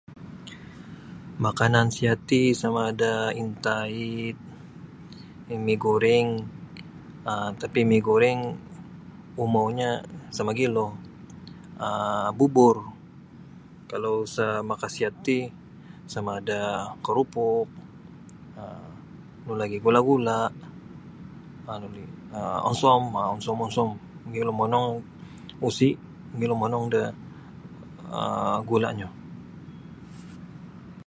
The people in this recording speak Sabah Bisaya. Makanan sihat ti sama ada intaid, mmi guring um tapi mi guring umounyo sa mogilo um bubur. Kalau sa' makasihat ti sama ada' karupuk, um nu lagi gula-gula' manu nini' um onsom onsom-onsom, mogilo monong ogu, usi', mogilo monong da um gula'nyo.